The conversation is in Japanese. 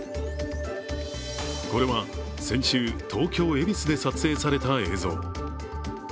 これは先週、東京・恵比寿で撮影された映像。